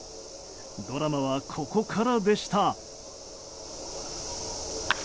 ドラマは、ここからでした。